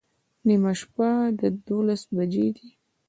نیمه شپه دوولس بجې دي